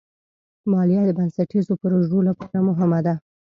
مالیه د بنسټیزو پروژو لپاره مهمه ده.